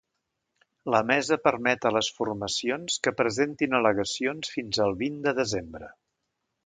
La mesa permet a les formacions que presentin al·legacions fins al vint de desembre.